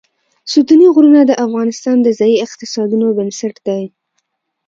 ستوني غرونه د افغانستان د ځایي اقتصادونو بنسټ دی.